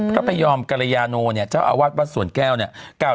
พระพยอมกรยาโนเนี่ยเจ้าอาวาสวัดสวนแก้วเนี่ย